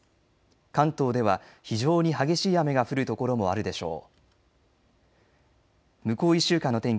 関東では非常に激しい雨が降る所もあるでしょう。